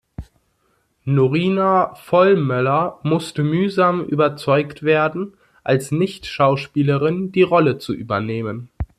Norina Vollmoeller musste mühsam überzeugt werden, als Nicht-Schauspielerin, die Rolle zu übernehmen.